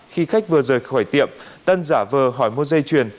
khi khách vừa rời khỏi tiệm tân giả vờ hỏi mua dây chuyền